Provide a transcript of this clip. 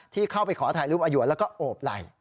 ที่เข้าไปขอถ่ายรูปอยวนแล้วก็โอบไหล่